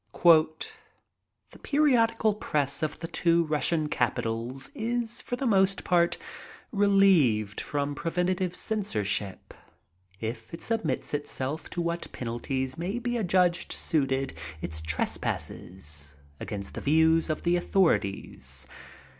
'*The periodical press of Ac two Russian capitals is for the most part relieved from preventive censor 8hq> if it submits itsdf to what penalties may be ad judged suited its treq>asses against Ac views of Ac audiorities.